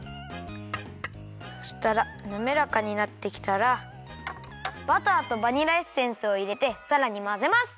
そしたらなめらかになってきたらバターとバニラエッセンスをいれてさらにまぜます。